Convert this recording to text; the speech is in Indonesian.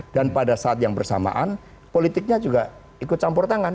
dan pada saat yang bersamaan politiknya juga ikut campur tangan